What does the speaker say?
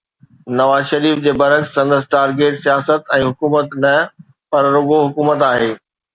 نواز شريف جي برعڪس سندس ٽارگيٽ سياست ۽ حڪومت نه پر رڳو حڪومت آهي.